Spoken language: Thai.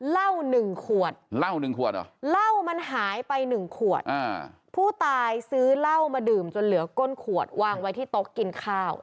เล่าหนึ่งขวดเล่ามันหายไปหนึ่งขวดผู้ตายซื้อเล่ามาดื่มจนเหลือก้นขวดวางไว้ที่ตกกินข้าว